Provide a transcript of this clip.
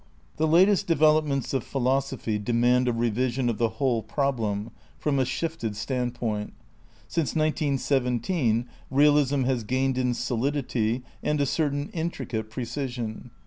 The latest developments of philosophy demand a revision of the whole problem, from a shifted standpoint. Since 1917 realism has gained in solidity and a certain intricate precision.